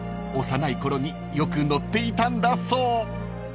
幼いころによく乗っていたんだそう］